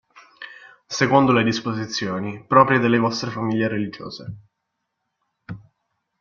Secondo le disposizioni proprie delle vostre famiglie religiose.